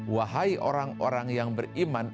wahai orang orang yang beriman